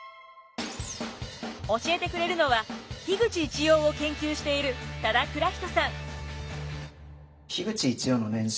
教えてくれるのは口一葉を研究している多田蔵人さん。